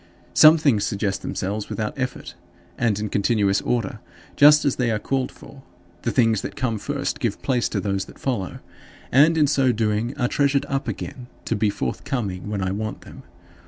Some things suggest themselves without effort, and in continuous order, just as they are called for the things that come first give place to those that follow, and in so doing are treasured up again to be forthcoming when I want them.